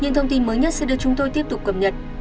những thông tin mới nhất sẽ được chúng tôi tiếp tục cập nhật